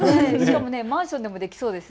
マンションでもできそうです。